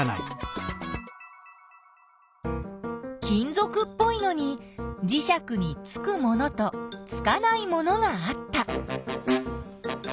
金ぞくっぽいのにじしゃくにつくものとつかないものがあった。